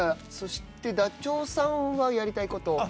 そしてダチョウさんはやりたいこと。